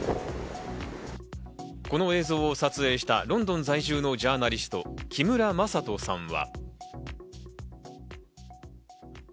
この映像を撮影したロンドン在住のジャーナリスト・木村正人さんは。